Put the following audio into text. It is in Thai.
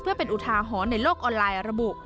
เพื่อเป็นอุทาหรณ์ในโลกออนไลน์ระบุ